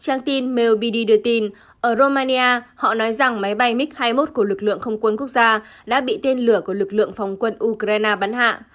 trang tin melbidi đưa tin ở romania họ nói rằng máy bay mig hai mươi một của lực lượng không quân quốc gia đã bị tên lửa của lực lượng phòng quân ukraine bắn hạ